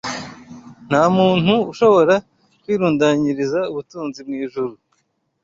Nta muntu ushobora kwirundanyiriza ubutunzi mu ijuru